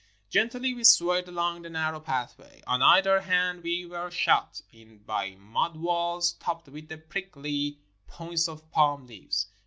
Gently we swayed along the narrow pathway. On either hand we were shut in by mud walls topped with the prickly points of palm leaves.